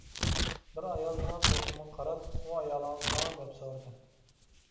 بىر ئايال مېنىڭ تۇرقۇمغا قاراپ «ئۇ ئايالىڭىزمۇ؟ » دەپ سورىدى.